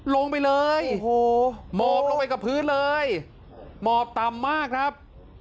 ลงไปเลยโอ้โหหมอบลงไปกับพื้นเลยหมอบต่ำมากครับ